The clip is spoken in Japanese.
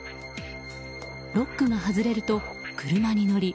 ロックが外れると車に乗り